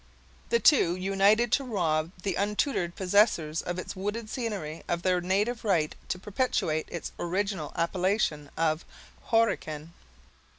The two united to rob the untutored possessors of its wooded scenery of their native right to perpetuate its original appellation of "Horican."